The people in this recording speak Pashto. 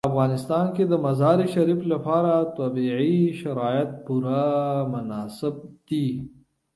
په افغانستان کې د مزارشریف لپاره طبیعي شرایط پوره مناسب دي.